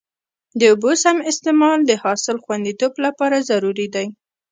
د اوبو سم استعمال د حاصل خوندیتوب لپاره ضروري دی.